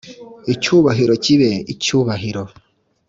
icyubahiro kibe icyubahiro